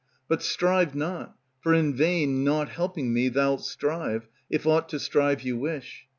But Strive not; for in vain, naught helping Me, thou 'lt strive, if aught to strive you wish.